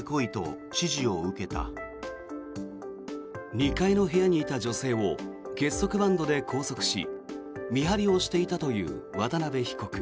２階の部屋にいた女性を結束バンドで拘束し見張りをしていたという渡邊被告。